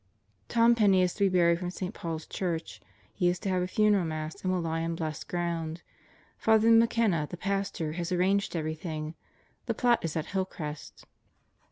"Tom Penney is to be buried from St. Paul's Church. He is to have a funeral Mass and will lie in blessed ground. Father McKenna, the pastor, has arranged everything. The plot is at Hill Crest."